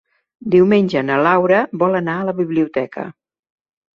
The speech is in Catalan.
Diumenge na Laura vol anar a la biblioteca.